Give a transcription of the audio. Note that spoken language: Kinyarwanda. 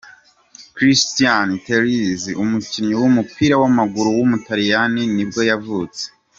Christian Terlizzi, umukinnyi w’umupira w’amaguru w’umutaliyani nibwo yavutse.